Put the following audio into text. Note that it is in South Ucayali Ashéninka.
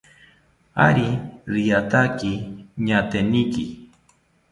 Ari riataki ñaateniki